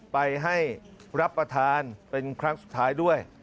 ไปให้รับประทานเป็นครั้งสุดท้ายด้วย